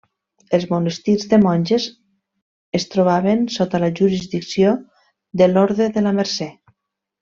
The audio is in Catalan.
Els monestirs de monges es trobaven sota la jurisdicció de l'Orde de la Mercè.